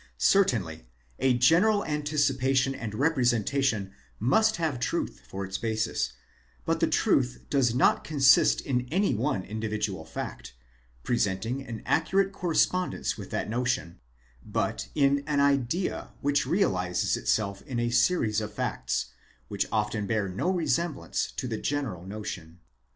Certainly, ἢ a general anticipation and representation must have truth for its basis; but the truth does not consist in any one individual fact, presenting an accurate correspondence with that notion, but in an idea which realizes itself in a series of facts, which often bear no resemblance to the general notion.